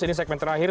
ini segmen terakhir